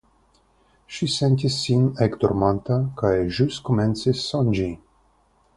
Ŝi sentis sin ekdormanta, kaj ĵus komencis sonĝi.